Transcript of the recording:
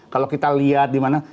kalau kita lihat dimana